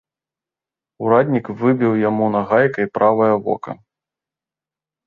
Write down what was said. Ураднік выбіў яму нагайкай правае вока.